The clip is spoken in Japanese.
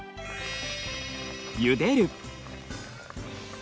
ゆでる。